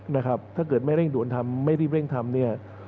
ถ้าเกิดไม่เร่งด่วนทำไม่รีบเร่งทำเนี่ย